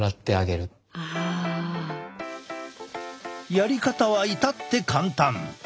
やり方は至って簡単！